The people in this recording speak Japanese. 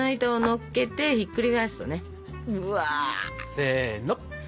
せの。